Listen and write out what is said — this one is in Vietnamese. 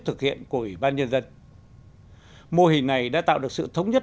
thực hiện của ủy ban nhân dân mô hình này đã tạo được sự thống nhất